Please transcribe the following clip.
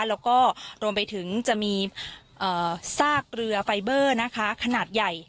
แล้วก็รวมไปถึงจะมีซากเรือไฟเบอร์นะคะขนาดใหญ่